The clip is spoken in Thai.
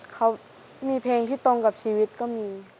เขามีเพลงที่ตรงกับชีวิตก็มี